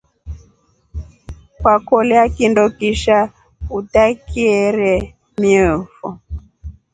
Kwalolia kindo kisha utakireemiefo.